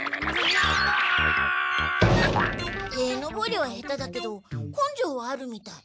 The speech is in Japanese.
へい登りは下手だけど根性はあるみたい。